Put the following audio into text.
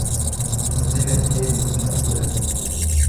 Você já esteve em Cingapura?